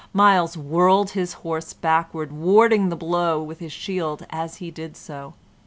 Myles whirled his horse backward, warding the blow with his shield as he did so.